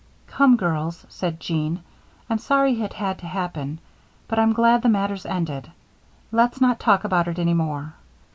"Come, girls," said Jean, "I'm sorry it had to happen, but I'm glad the matter's ended. Let's not talk about it any more.